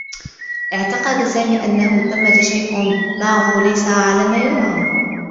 اعتقد سامي أنّه ثمّة شيء معه ليس على ما يرام.